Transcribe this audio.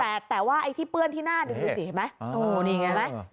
แต่ว่าไอ้ที่เปื้อนที่หน้าดูสิเห็นไหมโอ้นี่ไงไหม